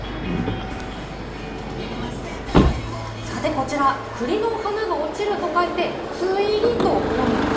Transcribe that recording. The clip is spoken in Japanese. こちら栗の花が落ちると書いて「ついり」と読むんです。